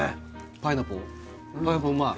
パイナポーうまい？